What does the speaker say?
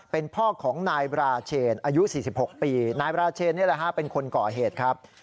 เป็นพ่อของนายบราเชนอายุ๔๖ปีนายบราเชนนี่แหละฮะเป็นคนก่อเหตุครับ